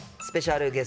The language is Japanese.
スペシャル